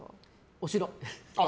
お城。